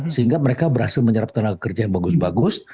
sehingga mereka berhasil menyerap tenaga kerja yang bagus bagus